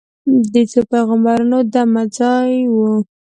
د څو پیغمبرانو دمه ځای و.